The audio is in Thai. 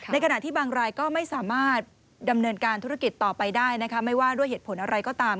ในขณะที่บางรายก็ไม่สามารถดำเนินการธุรกิจต่อไปได้นะคะไม่ว่าด้วยเหตุผลอะไรก็ตาม